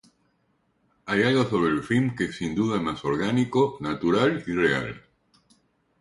Hay algo sobre el film que es sin duda más orgánico natural y real.